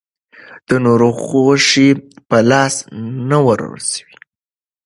د نورو غوښې په لاس نه وررسي.